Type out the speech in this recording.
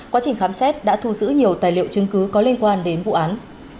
quá trình khám xét đã thu giữ nhiều tài liệu chứng cứ có liên quan đến vụ án